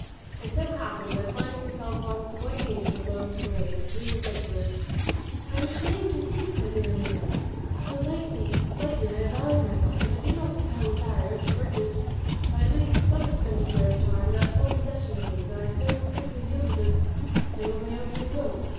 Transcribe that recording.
It so happened that finding herself on one occasion alone with her maid, Camilla said to her, "I am ashamed to think, my dear Leonela, how lightly I have valued myself that I did not compel Lothario to purchase by at least some expenditure of time that full possession of me that I so quickly yielded him of my own free will.